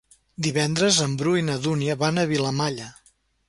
Divendres en Bru i na Dúnia van a Vilamalla.